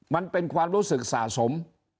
มันเป็นความรู้สึกสะสม